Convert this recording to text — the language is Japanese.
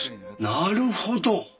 なるほど！